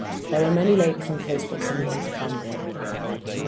There are many lakes in close proximity to Cranbrook.